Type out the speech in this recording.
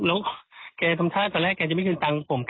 แล้วแกทำท่าตอนแรกแกจะไม่คืนตังค์ผม